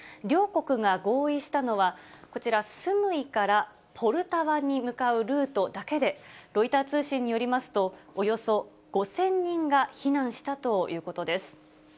両国が合意したのは、こちら、スムイからポルタワに向かうルートだけで、ロイター通信によりますと、およそ５０００人が避難したということです。